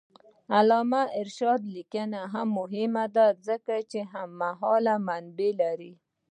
د علامه رشاد لیکنی هنر مهم دی ځکه چې هممهاله منابع لري.